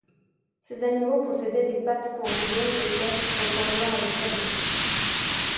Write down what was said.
Ces animaux possédaient des pattes pourvues d'ongles épais ressemblant à des sabots.